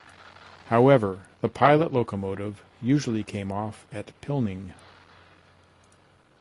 However, the pilot locomotive usually came off at Pilning.